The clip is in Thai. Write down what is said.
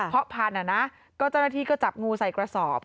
เพราะพันธุ์เจ้าหน้าที่ก็จับงูใส่กระสอบ